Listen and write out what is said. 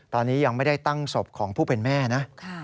ตอนนี้ยังไม่ได้ตั้งศพของผู้เป็นแม่นะ